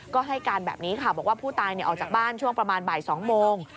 ก็ให้การแบบนี้ค่ะบอกว่าผู้ตายออกจากบ้านช่วงประมาณบ่าย๒โมง